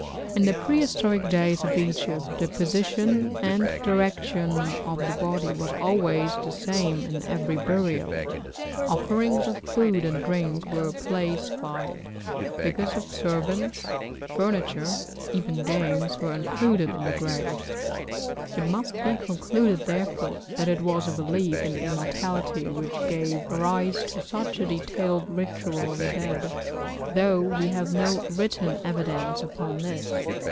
In the prehistoric days of Egypt the position and direction of the body was always the same in every burial, offerings of food and drink were placed by it, figures of servants, furniture, even games, were included in the grave. It must be concluded therefore that it was a belief in immortality which gave rise to such a detailed ritual of the dead, though we have no written evidence upon this.